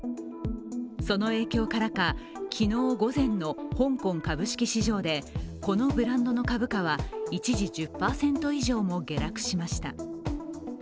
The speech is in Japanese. その影響からか昨日午前の香港株式市場でこのブランドの株価は一時１０％以上も下落しました。